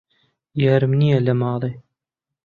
یارم نیە لە ماڵێ